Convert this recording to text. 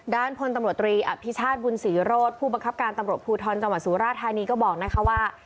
ด้านพลตำรวจตรีอภิชาธิ์บุญศรีโรศผู้บังคับการตำรวจภูทรจสุราชทายนี้ก็บอกนะคะว่า